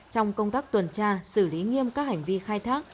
trong công tác tuần tra xử lý nghiêm các hành vi khai thác